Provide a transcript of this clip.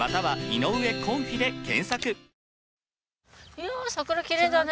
いやあ桜きれいだね。